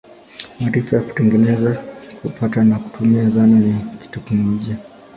Maarifa ya kutengeneza, kupata na kutumia zana ni teknolojia.